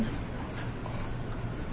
はい。